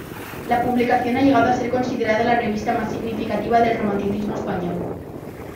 La publicación ha llegado a ser considerada la revista más significativa del Romanticismo español.